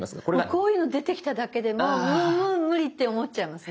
こういうの出てきただけでもうもうもう無理って思っちゃいますね。